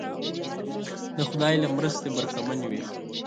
د خدای له مرستې برخمن وي.